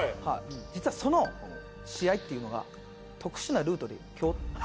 実はその試合っていうのが特殊なルートで今日手に入り。